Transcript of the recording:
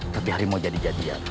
tapi harimau jadi jadian